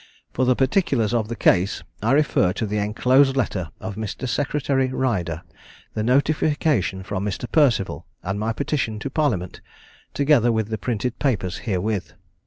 For the particulars of the case, I refer to the enclosed letter of Mr. Secretary Ryder, the notification from Mr. Perceval, and my petition to parliament, together with the printed papers herewith.